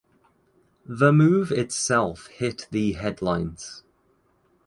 The move itself hit the headlines.